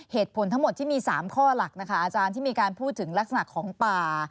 เหตุผลทั้งหมดที่มี๓ข้อหลักนะคะอาจารย์ที่มีการพูดถึงลักษณะของป่า